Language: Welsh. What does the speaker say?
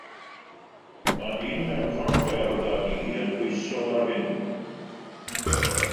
Mae dyn mewn cot werdd a du yn pwyso ar fin.